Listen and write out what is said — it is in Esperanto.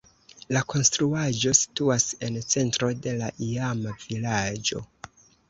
La konstruaĵo situas en centro de la iama vilaĝo.